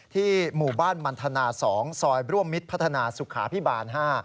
หมู่บ้านมันทนา๒ซอยร่วมมิตรพัฒนาสุขาพิบาล๕